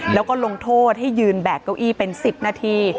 แล้วก็ลงโทษให้ยืนแบกเก้าอี้เป็น๑๐นาที